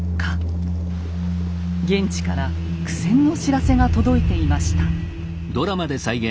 現地から苦戦の知らせが届いていました。